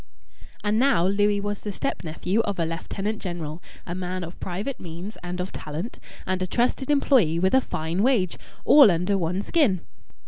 And now Louis was the step nephew of a Lieutenant General, a man of private means and of talent, and a trusted employee with a fine wage all under one skin!